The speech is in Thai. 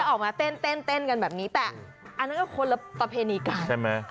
ออกมาเต้นเต้นกันแบบนี้แต่อันนั้นก็คนละประเพณีกันใช่ไหม